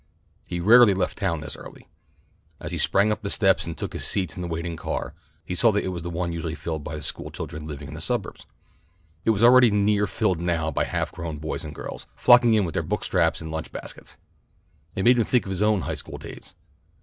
He rarely left town this early. As he sprang up the steps and took his seat in the waiting car, he saw that it was the one usually filled by the school children living in the suburbs. It was already nearly filled now by half grown boys and girls, flocking in with their book straps and lunch baskets. It made him think of his own High school days.